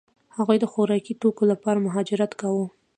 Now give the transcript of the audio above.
هغوی د خوراکي توکو لپاره مهاجرت کاوه.